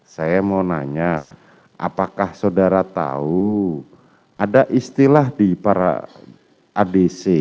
saya mau nanya apakah saudara tahu ada istilah di para adc